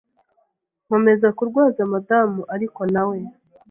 nkomeza kurwaza madamu ariko na we